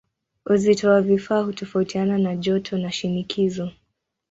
Uzito wa vifaa hutofautiana na joto na shinikizo.